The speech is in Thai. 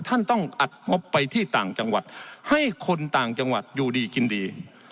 ท่านต้องอัดงบไปที่ต่างจังหวัดให้คนต่างจังหวัดอยู่ดีกินดี